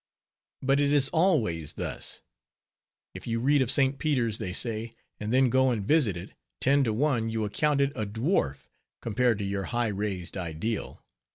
But it is always thus. If you read of St. Peter's, they say, and then go and visit it, ten to one, you account it a dwarf compared to your high raised ideal.